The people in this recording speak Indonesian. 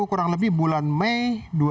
kurang lebih bulan mei